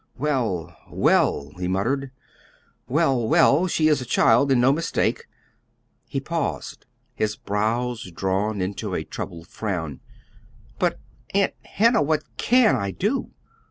"Well, well," he muttered, "well, well! She is a child, and no mistake!" He paused, his brows drawn into a troubled frown. "But, Aunt Hannah, what CAN I do?